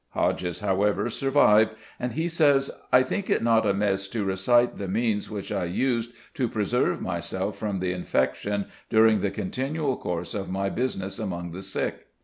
Hodges, however, survived, and he says: "I think it not amiss to recite the means which I used to preserve myself from the infection during the continual course of my business among the sick.